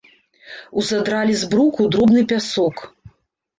Узадралі з бруку дробны пясок.